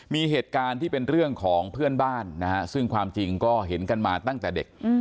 มีเหตุการณ์ที่เป็นเรื่องของเพื่อนบ้านนะฮะซึ่งความจริงก็เห็นกันมาตั้งแต่เด็ก